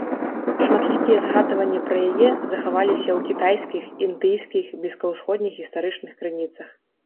Шматлікія згадванні пра яе захаваліся ў кітайскіх, індыйскіх, блізкаўсходніх гістарычных крыніцах.